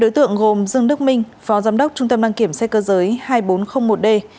ba đối tượng gồm dương đức minh phó giám đốc trung tâm đăng kiểm xe cơ giới hai nghìn bốn trăm linh một d